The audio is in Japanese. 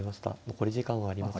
残り時間はありません。